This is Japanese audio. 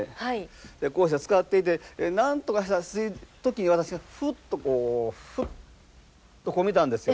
こうして遣ってて何とかした時に私がふっとこうふっとこう見たんです。